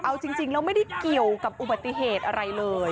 เอาจริงแล้วไม่ได้เกี่ยวกับอุบัติเหตุอะไรเลย